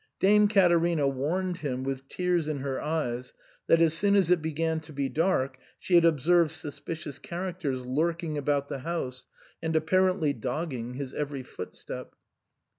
Dame Caterina warned him, with tears in her eyes, that as soon as it began to be dark she had observed suspicious characters lurking about the house and ap parently dogging his every footstep.